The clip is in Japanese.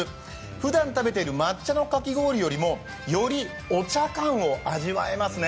ふだん食べている抹茶のかき氷よりも、よりお茶感を味わえますね。